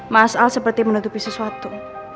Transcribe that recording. mas al seperti menutupi sesuatu